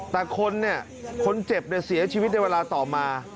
แต่คนเจ็บเสียชีวิตในเวลาต่อมา